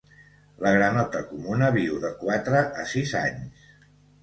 La granota comuna viu de quatre a sis anys.